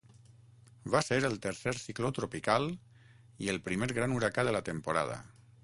Va ser el tercer cicló tropical i el primer gran huracà de la temporada.